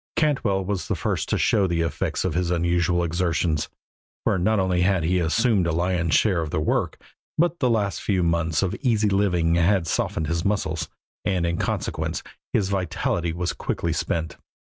Cantwell was the first to show the effects of his unusual exertions, for not only had he assumed a lion's share of the work, but the last few months of easy living had softened his muscles, and in consequence his vitality was quickly spent.